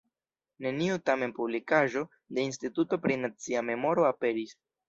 Neniu tamen publikaĵo de Instituto pri Nacia Memoro aperis.